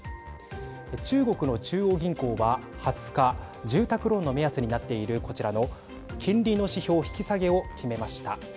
中国の中央銀行は、２０日住宅ローンの目安になっているこちらの金利の指標の引き下げを決めました。